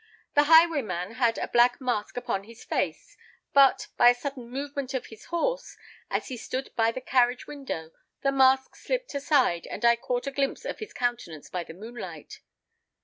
The highwayman had a black mask upon his face; but, by a sudden movement of his horse, as he stood by the carriage window, the mask slipped aside, and I caught a glimpse of his countenance by the moonlight."